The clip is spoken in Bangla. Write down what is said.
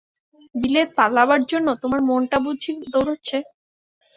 বিলেত পালাবার জন্যে তোমার মনটা বুঝি দৌড়চ্ছে?